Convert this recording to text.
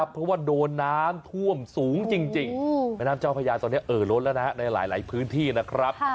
เพราะว่าโดนน้ำท่วมสูงจริงแม่น้ำเจ้าพญาตอนนี้เอ่อล้นแล้วนะฮะในหลายพื้นที่นะครับ